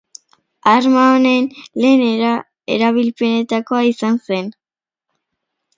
Arma honen lehen erabilpenetakoa izan zen.